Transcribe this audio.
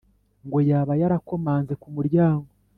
Ngo yaba yarakomanze ku muryango